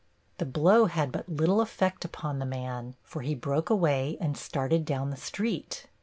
The blow had but little effect upon the man, for he broke away and started down the street.